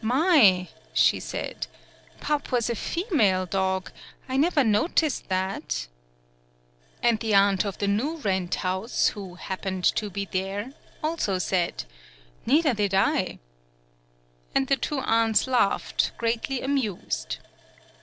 "My!" she said. "Pup was a female dog! I never noticed that !" And the aunt of the new rent house, who happened to be there, also said : "Neither did I !" And the two aunts laughed, greatly amused.